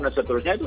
dan seterusnya itu